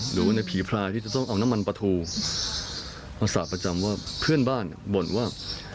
หรือว่าในผีพลายที่จะต้องเอาน้ำมันปลาทูภาษาประจำว่าเพื่อนบ้านบ่นว่า